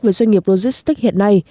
về doanh nghiệp logistic hiện nay